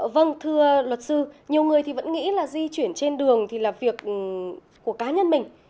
vâng thưa luật sư nhiều người thì vẫn nghĩ là di chuyển trên đường thì là việc của cá nhân mình